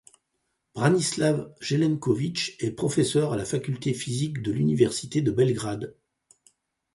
Branislav Jelenković est professeur à la Faculté de physique de l'université de Belgrade.